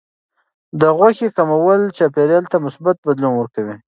د غوښې کمول چاپیریال ته مثبت بدلون ورکوي.